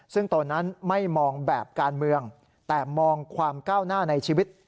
ซึ่งตนนั้นไม่มองแบบการเมืองแต่มองความก้าวหน้าในชีวิต